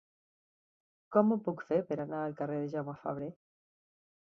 Com ho puc fer per anar al carrer de Jaume Fabre?